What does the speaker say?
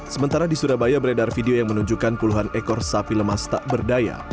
sementara di surabaya beredar video yang menunjukkan puluhan ekor sapi lemas tak berdaya